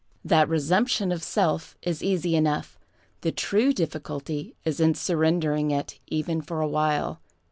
That resumption of self is easy enough. The true difficulty is in surrendering it, even for a while.